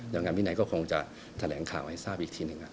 อย่างงั้นวินัยก็คงจะแถลงข่าวให้ทราบอีกทีหนึ่งครับผม